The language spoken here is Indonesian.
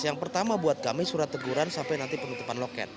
yang pertama buat kami surat teguran sampai nanti penutupan loket